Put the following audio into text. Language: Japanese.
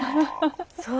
そう。